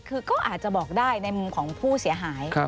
คือก็อาจจะบอกได้ในมุมของผู้เสียหาย